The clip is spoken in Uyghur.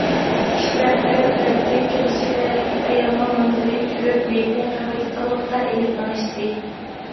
كىشىلەر تەرەپ- تەرەپتىن كېلىشىپ ھېلىقى ئايالنىڭ نامىزىنى چۈشۈرۈپ، مېيىتىنى قەبرىستانلىققا ئېلىپ مېڭىشتى.